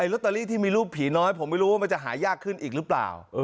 ลอตเตอรี่ที่มีรูปผีน้อยผมไม่รู้ว่ามันจะหายากขึ้นอีกหรือเปล่า